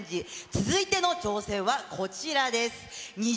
続いての挑戦はこちらです。